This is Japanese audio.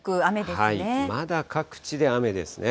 まだ各地で雨ですね。